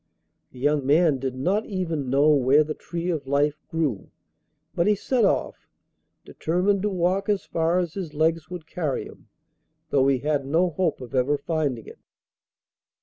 The young man did not even know where the tree of life grew, but he set off, determined to walk as far as his legs would carry him, though he had no hope of ever finding it.